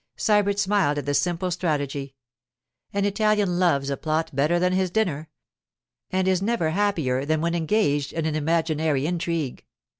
Sybert smiled at the simple strategy. An Italian loves a plot better than his dinner, and is never happier than when engaged in an imaginary intrigue.